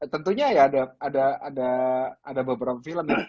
tentunya ya ada beberapa film ya